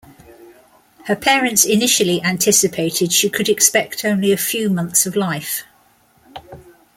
Her parents initially anticipated she could expect only a few months of life.